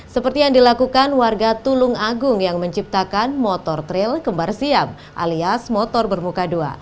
seperti yang dilakukan warga tulung agung yang menciptakan motor tril kembar siam alias motor bermuka dua